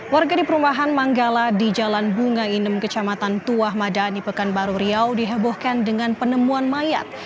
warga di perumahan manggala di jalan bunga inem kecamatan tuah madani pekanbaru riau dihebohkan dengan penemuan mayat